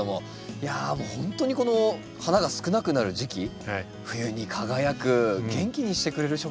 いやほんとにこの花が少なくなる時期冬に輝く元気にしてくれる植物ですね。